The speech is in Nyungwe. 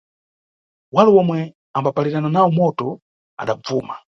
Wale omwe ambapalirana nawo moto adabvuma.